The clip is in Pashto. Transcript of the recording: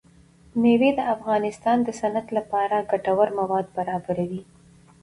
مېوې د افغانستان د صنعت لپاره ګټور مواد برابروي.